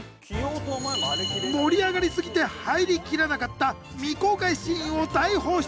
盛り上がり過ぎて入り切らなかった未公開シーンを大放出！